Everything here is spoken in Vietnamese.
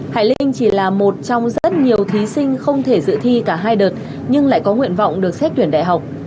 hải linh là một trong những thí sinh không thể dự thi cả hai đợt nhưng lại có nguyện vọng được xét tuyển đại học